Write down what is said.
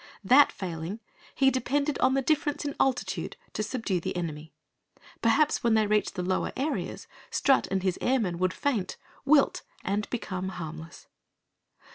That failing, he depended on the difference in altitude to subdue the enemy. Perhaps when they reached the lower areas, Strut and his Airmen would faint, wilt, and become harmless.